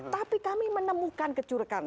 tapi kami menemukan kecurangan